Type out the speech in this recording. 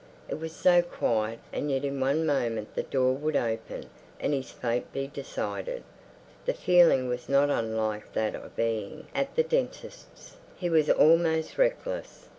It was so quiet, and yet in one moment the door would open, and his fate be decided. The feeling was not unlike that of being at the dentist's; he was almost reckless.